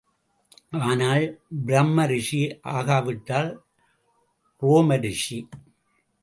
ஆனால் பிரம்ம ரிஷி ஆகாவிட்டால் ரோம ரிஷி.